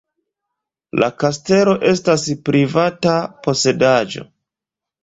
La kastelo estas privata posedaĵo.